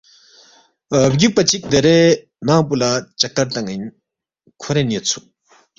بگیُوکپا چِک دیرے ننگ پو لہ چکّر تان٘ین کھورین یودسُوک